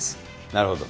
なるほど。